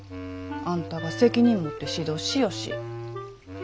あんたが責任持って指導しよし。